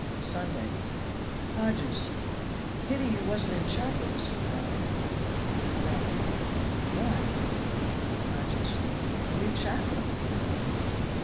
SUNDAY. Hodges. Pity you wasn't in chapel, Mr. Fry. Fry. Why? Hodges. The new chaplain!